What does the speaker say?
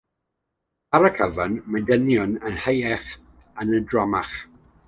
Ar y cyfan, mae dynion yn hirach ac yn drymach.